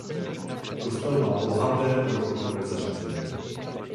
Kostel má bohaté rokokové zařízení.